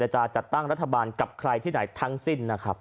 จะจัดตั้งรัฐบาลกับใครที่ไหนทั้งสิ้นนะครับ